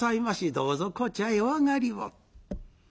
どうぞこちゃへお上がりを」。